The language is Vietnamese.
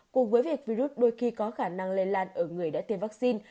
cùng với việc virus đôi khi có khả năng lây lan ở người đã tiêm vaccine